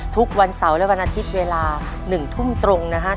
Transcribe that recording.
ทุกวันเสาร์และวันอาทิตย์เวลา๑ทุ่มตรงนะครับ